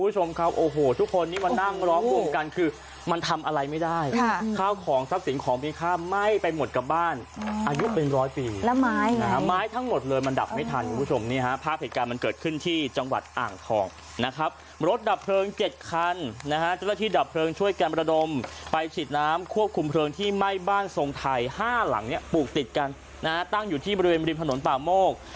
ทำไมบ้านทรงไทย๕หลังปลูกติดกันตั้งอยู่ที่บริเวณบริมธนตรงป่ามโมก